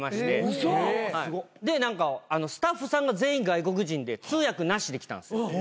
でスタッフさんが全員外国人で通訳なしで来たんです。